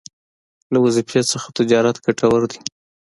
له وظيفې څخه تجارت ګټور دی